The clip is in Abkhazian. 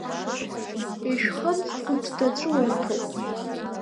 Ишәхымс хәыҷ даҵәыуарҭоуп.